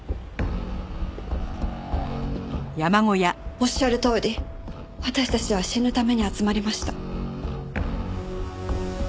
おっしゃるとおり私たちは死ぬために集まりました。